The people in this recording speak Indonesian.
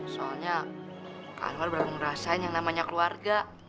soalnya kak anwar ngerasain yang namanya keluarga